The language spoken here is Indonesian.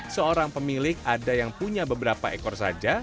seorang pemilik ada yang punya beberapa ekor saja